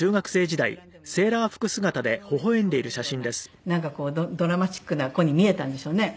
朝礼で倒れるようななんかこうドラマチックな子に見えたんでしょうね。